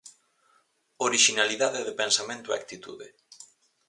Orixinalidade de pensamento e actitude.